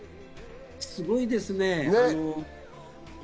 すごいですね。